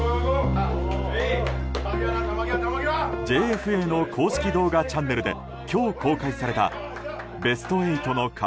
ＪＦＡの公式動画チャンネルで今日公開された「ベスト８の壁